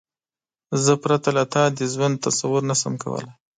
زه پرته له تا د ژوند تصور نشم کولای.